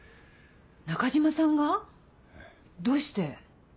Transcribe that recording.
中嶋さんが⁉どうして？